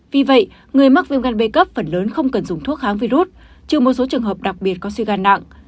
vì vậy người mắc viêm gan b cấp phần lớn không cần dùng thuốc kháng virus trừ một số trường hợp đặc biệt có suy gan nặng